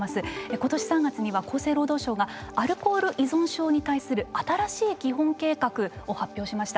ことし３月には厚生労働省がアルコール依存症に対する新しい基本計画を発表しました。